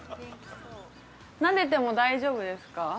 なでても大丈夫ですか？